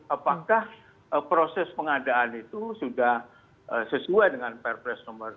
apakah proses pengadaan itu sudah sesuai dengan perpres nomor dua